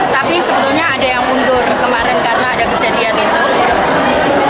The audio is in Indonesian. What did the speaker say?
tapi sebetulnya ada yang mundur kemarin karena ada kejadian itu